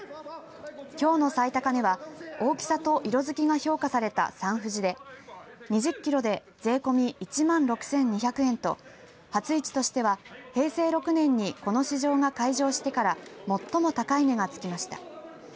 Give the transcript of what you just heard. きょうの最高値は、大きさと色付きが評価されたサンふじで２０キロで税込み１万６２００円と初市としては平成６年にこの市場が開場してから最も高い値が付きました。